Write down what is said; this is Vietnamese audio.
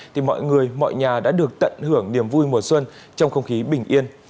thì mọi người mọi nhà đã được tận hưởng niềm vui mùa xuân trong không khí bình yên